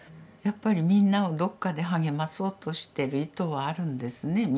やっぱりみんなをどっかで励まそうとしてる意図はあるんですね